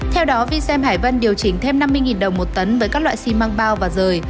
theo đó vi xem hải vân điều chỉnh thêm năm mươi đồng một tấn với các loại xi măng bao và rời